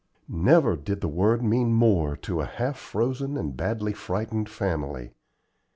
Never did the word mean more to a half frozen and badly frightened family.